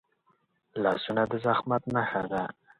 لاسونه د زحمت نښه ده